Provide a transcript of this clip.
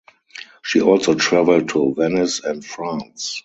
She also travelled to Venice and France.